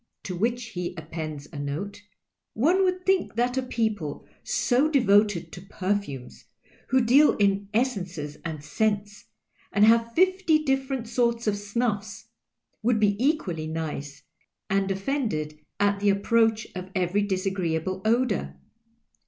"' To which he appends a note :—" One woidd think that a people so devoted to perfumes, who deal in essences and scents, and iiave fifty different sorts of snuffs, would be eciualiy nice, and offended at the approach of every disagreeable odour.